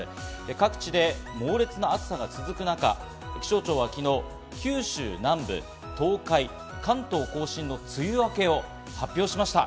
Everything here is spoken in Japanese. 各地で猛烈な暑さが続くなか、気象庁は昨日、九州南部、東海、関東甲信の梅雨明けを発表しました。